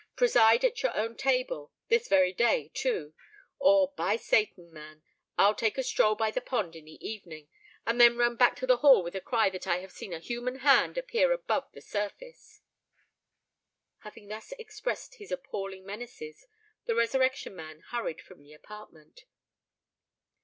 Preside at your own table—this very day too;—or, by Satan! ma'am, I'll take a stroll by the pond in the evening, and then run back to the Hall with a cry that I have seen a human hand appear above the surface!" Having thus expressed his appalling menaces, the Resurrection Man hurried from the apartment.